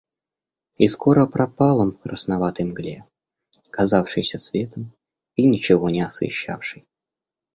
И скоро пропал он в красноватой мгле, казавшейся светом и ничего не освещавшей.